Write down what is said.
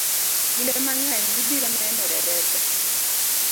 Kinde mang'eny, ibiro neno derepe